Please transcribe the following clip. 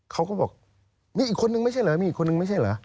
เขาก็บอกมีอีกคนนึงไม่ใช่เหรอมีอีกคนนึงไม่ใช่เหรอ